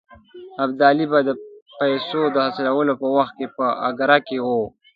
ابدالي به د پیسو د حاصلولو په وخت کې په اګره کې وي.